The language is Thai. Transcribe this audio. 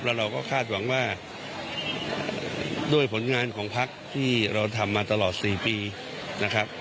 แล้วเราก็คาดหวังว่าด้วยผลงานของพักที่เราทำมาตลอด๔ปีนะครับ